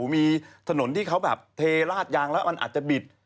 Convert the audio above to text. มีถนนที่เขาแบบเทราดยางแล้วมันอาจจะบิด